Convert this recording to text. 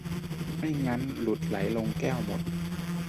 ไม่งั้นหลุดไหลลงแก้วหมด